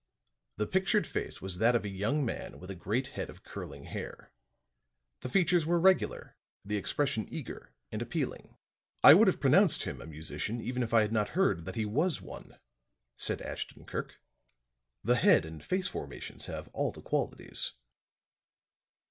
The pictured face was that of a young man with a great head of curling hair. The features were regular, the expression eager and appealing. "I would have pronounced him a musician, even if I had not heard that he was one," said Ashton Kirk. "The head and face formations have all the qualities."